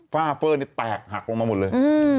ฝ้าเฟอร์นี่แตกหักลงมาหมดเลย